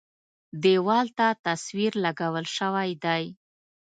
دېوال ته تصویر لګول شوی دی.